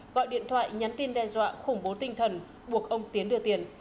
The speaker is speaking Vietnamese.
gọi điện thoại nhắn tin đe dọa khủng bố tinh thần buộc ông tiến đưa tiền